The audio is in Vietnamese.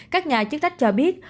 các nhà chức tách cho biết